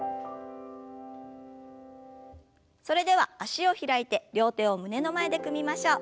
それでは脚を開いて両手を胸の前で組みましょう。